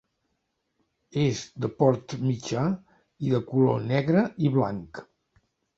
És de port mitjà i de color negre i blanc.